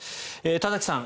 田崎さん